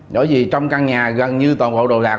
bởi vì trong căn nhà gần như toàn bộ đồ đạc